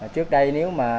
trước đây nếu mà